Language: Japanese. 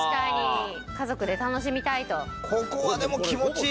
家族で楽しみたいと。